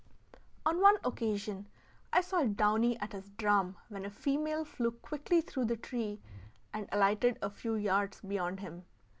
On one occasion I saw downy at his drum when a female flew quickly through the tree and alighted a few yards beyond him.